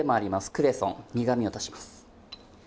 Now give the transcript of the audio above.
クレソン苦みを足します。